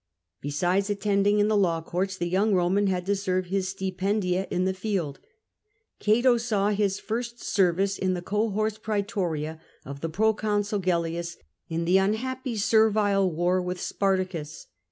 Besides attending in the law courts, the young Roman had to serve his stipendia in the field. Cato saw his first service in the cohors praetoria of the proconsul Gellius, in the unhappy Servile War with Spartacus.